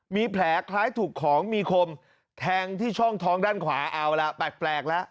มีแผลคล้ายถูกของมีคมแทงที่ช่องท้องด้านขวาเอาละแปลกแล้ว